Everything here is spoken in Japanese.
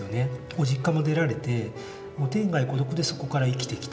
ご実家も出られて天涯孤独でそこから生きてきたと。